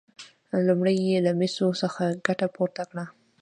لومړی یې له مسو څخه ګټه پورته کړه.